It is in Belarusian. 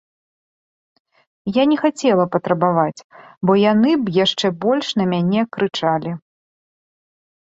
Я не хацела патрабаваць, бо яны б яшчэ больш на мяне крычалі.